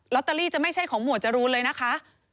ตอรี่จะไม่ใช่ของหมวดจรูนเลยนะคะ